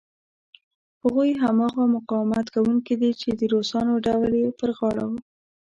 هغوی هماغه مقاومت کوونکي دي چې د روسانو ډول یې پر غاړه و.